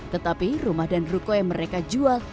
tetapi rumah dan ruko yang mereka jual